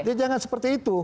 jadi jangan seperti itu